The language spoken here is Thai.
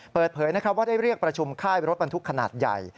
เปิดเผยว่าได้เรียกประชุมค่ายรถบรรทุกขนาดใหญ่